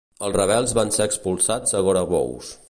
Els rebels van ser expulsats a Gorabous.